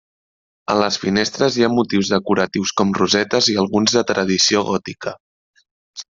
A les finestres hi ha motius decoratius com rosetes i alguns de tradició gòtica.